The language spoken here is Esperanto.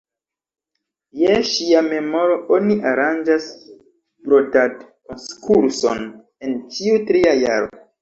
Je ŝia memoro oni aranĝas brodad-konkurson en ĉiu tria jaro.